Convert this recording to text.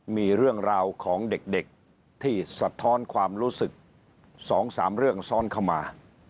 มีเรื่องราวของเด็กที่สะท้อนความรู้สึก๒๓เรื่องซ้อนเข้ามา